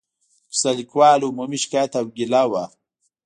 د کیسه لیکوالو عمومي شکایت او ګیله وه.